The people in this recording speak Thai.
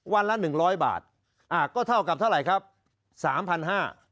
วันละ๑๐๐บาทก็เท่ากับเท่าไหร่ครับ๓๕๐๐บาท